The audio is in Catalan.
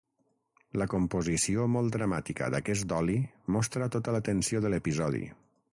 La composició molt dramàtica d'aquest oli mostra tota la tensió de l'episodi.